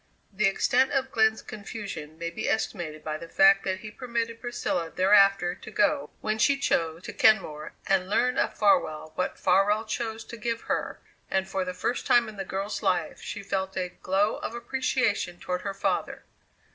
The extent of Glenn's confusion may be estimated by the fact that he permitted Priscilla thereafter to go, when she chose, to Kenmore and learn of Farwell what Farwell chose to give her, and, for the first time in the girl's life, she felt a glow of appreciation toward her father.